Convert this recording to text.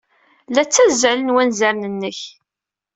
La ttazzalen wanzaren-nnek.